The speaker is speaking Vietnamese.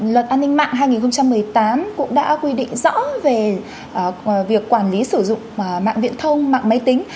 luật an ninh mạng hai nghìn một mươi tám cũng đã quy định rõ về việc quản lý sử dụng mạng viện thông mạng máy tính